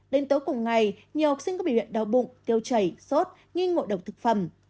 đến tối cùng ngày nhiều học sinh có biểu hiện đau bụng tiêu chảy sốt nghi ngộ độc thực phẩm